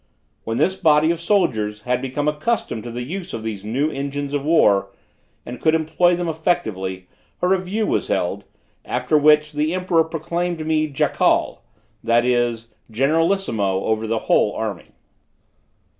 When this body of soldiers had become accustomed to the use of these new engines of war, and could employ them effectively, a review was held, after which the emperor proclaimed me Jakal, that is, generalissimo over the whole army.